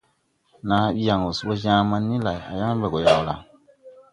Naa ɓi yaŋ wɔ se ɓɔ Jaaman ni lay, a yaŋ ɓɛ gɔ jam lay?